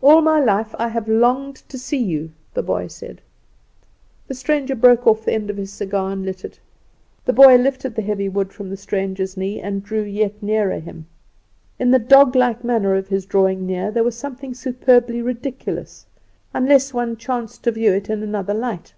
"All my life I have longed to see you," the boy said. The stranger broke off the end of his cigar, and lit it. The boy lifted the heavy wood from the stranger's knee and drew yet nearer him. In the dog like manner of his drawing near there was something superbly ridiculous, unless one chanced to view it in another light.